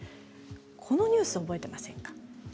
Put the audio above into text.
このニュースを覚えていませんか。